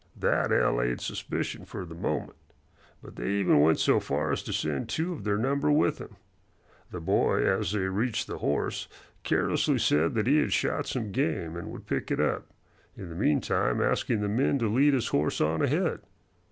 That allayed suspicion for the moment, but they even went so far as to send two of their number with him. The boy, as they reached the horse, carelessly said that he had shot some game and would pick it up, in the meantime asking the men to lead his horse on ahead.